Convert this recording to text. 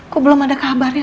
kok belum ada kabarnya